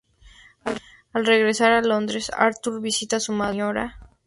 Al regresar a Londres, Arthur visita a su madre, la Sra.